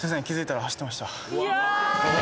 気付いたら走ってました。